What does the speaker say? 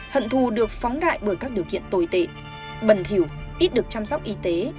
hận thù được phóng đại bởi các điều kiện tồi tệ bẩn hiểu ít được chăm sóc y tế